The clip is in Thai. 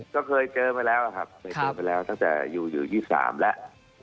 ก็เคยเจอไว้แล้วครับตั้งแต่อยู่๒๓แล้ว